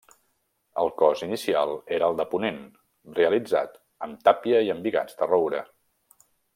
El cos inicial era el de ponent, realitzat amb tàpia i embigats de roure.